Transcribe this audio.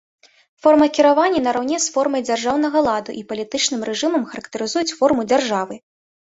Форма кіравання нараўне з формай дзяржаўнага ладу і палітычным рэжымам характарызуюць форму дзяржавы.